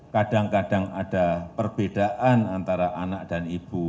kadang kadang ada perbedaan antara anak dan ibu